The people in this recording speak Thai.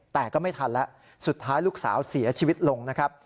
แต่ก็ไม่ทันแล้วสุดท้ายลูกสาวเสียชีวิตลงนะครับ